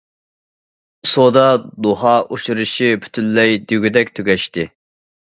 سودا دوھا ئۇچرىشىشى پۈتۈنلەي دېگۈدەك تۈگەشتى.